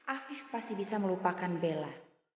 afif pasti bisa melupakan bela